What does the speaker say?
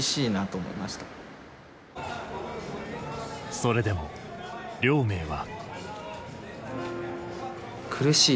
それでも亮明は。